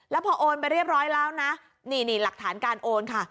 แล้วพอโอนไปเรียบร้อยแล้วนะนี่หลักฐานการโอนค่ะ